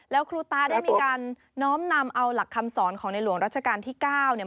แล้วครูตาได้มีการน้อมนำเอาหลักคำสอนของในหลวงรัชกาลที่๙เนี่ย